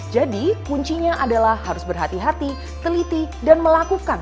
jadi kuncinya adalah harus berhati hati teliti dan melakukan